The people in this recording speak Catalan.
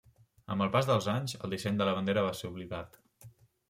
Amb el pas dels anys, el disseny de la bandera va ser oblidat.